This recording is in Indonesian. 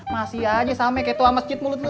masih aja samanya kayak tua masjid mulut lu